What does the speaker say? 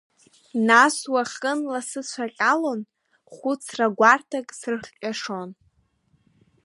Нас уахынла сыцәа ҟьалон, хәыцра гәарҭак срыхҟьашон.